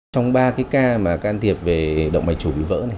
trong ba cái ca mà can thiệp về động mạch chủ bị vỡ này